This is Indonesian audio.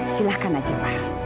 silahkan aja pa